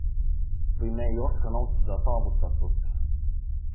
Või me ei oska nautida saavutatut?